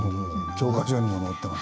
教科書にも載ってます。